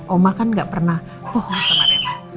oma kan gak pernah bohong sama netra